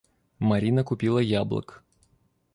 Марина купила яблок.